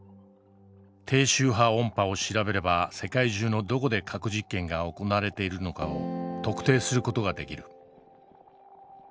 低周波音波を調べれば世界中のどこで核実験が行われているのかを特定する事ができる。